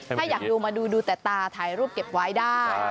ถ้าอยากดูมาดูดูแต่ตาถ่ายรูปเก็บไว้ได้